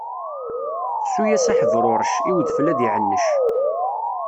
Ssu-yas a Ḥebrurec, i udfel ad iɛanec.